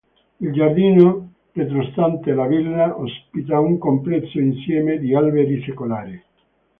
Il giardino, retrostante la villa, ospita un complesso insieme di alberi secolari.